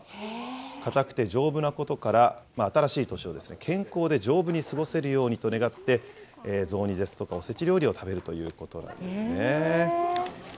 堅くて丈夫なことから、新しい年を健康で丈夫に過ごせるようにと願って、雑煮ですとかおせち料理を食べるということなんですね。